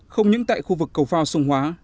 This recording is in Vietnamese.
không những tại khu vực cầu phao sông hóa